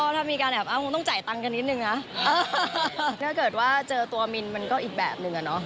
ถ้าเกิดว่าเจอตัวมินมันก็อีกแบบหนึ่งอะเนาะ